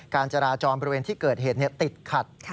การจราจรบริเวณที่เกิดเหตุติดขัด